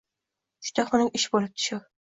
Juda xunuk ish bo‘libdi shu.